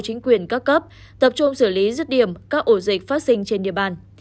chính quyền các cấp tập trung xử lý rứt điểm các ổ dịch phát sinh trên địa bàn